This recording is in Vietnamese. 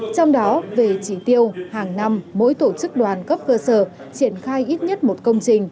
trong đó về chỉ tiêu hàng năm mỗi tổ chức đoàn cấp cơ sở triển khai ít nhất một công trình